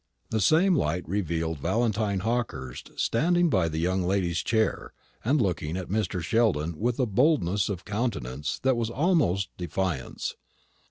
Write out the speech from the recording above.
The same light revealed Valentine Hawkehurst standing by the young lady's chair, and looking at Mr. Sheldon with a boldness of countenance that was almost defiance.